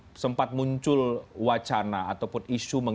pemerintah yang berada di depan